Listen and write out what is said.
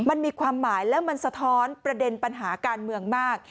มันมีความหมายแล้วมันสะท้อนประเด็นปัญหาการเมืองมาก